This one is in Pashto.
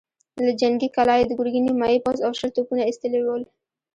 له جنګي کلا يې د ګرګين نيمايي پوځ او شل توپونه ايستلي ول.